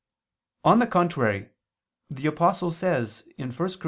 On the contrary, The Apostle says (1 Cor.